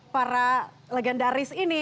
para legendaris ini